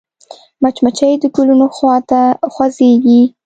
مچمچۍ د ګلونو خوا ته خوځېږي